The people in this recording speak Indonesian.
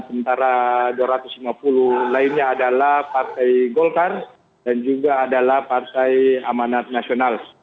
sementara dua ratus lima puluh lainnya adalah partai golkar dan juga adalah partai amanat nasional